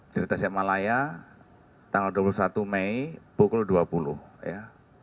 di tasik malaya tanggal dua puluh satu mei pukul dua puluh ya